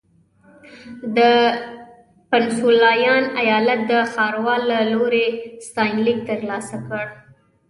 د پنسلوانیا ایالت د ښاروال له لوري ستاینلیک ترلاسه کړ.